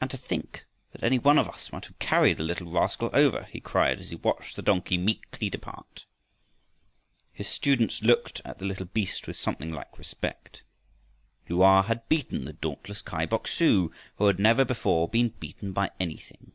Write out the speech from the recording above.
"And to think that any one of us might have carried the little rascal over!" he cried as he watched the donkey meekly depart. His students looked at the little beast with something like respect. Lu a had beaten the dauntless Kai Bok su who had never before been beaten by anything.